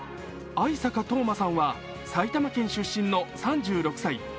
逢坂冬馬さんは埼玉県出身の３６歳。